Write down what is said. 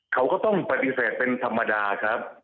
เขาก็ต้องปฏิเสธเป็นธรรมดาครับ